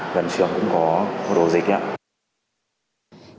gần trường cũng có đổ dịch